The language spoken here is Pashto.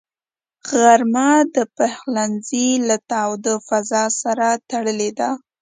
غرمه د پخلنځي له تاوده فضاء سره تړلې ده